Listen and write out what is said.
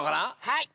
はい。